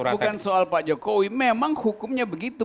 bukan soal pak jokowi memang hukumnya begitu